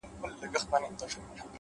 د زړه صفا دروند ارزښت لري.